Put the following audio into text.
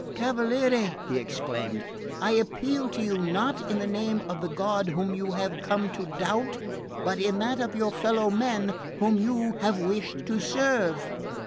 Cavaliere," he exclaimed, "I appeal to you not in the name of the God whom you have come to doubt, but in that of your fellow men, whom you have wished to serve."